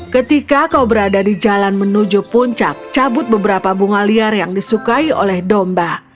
ketika kau berada di jalan menuju puncak cabut beberapa bunga liar yang disukai oleh domba